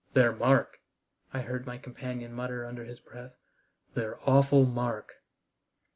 "Their mark!" I heard my companion mutter under his breath. "Their awful mark!"